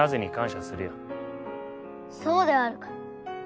そうであるか。